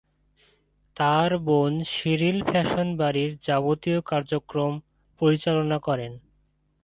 তার বোন সিরিল ফ্যাশন-বাড়ির যাবতীয় কার্যক্রম পরিচালনা করেন।